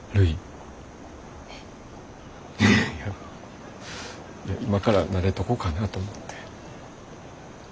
いや今から慣れとこかなと思て。